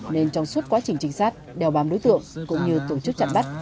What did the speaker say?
nên trong suốt quá trình trình sát đều bám đối tượng cũng như tổ chức chặn bắt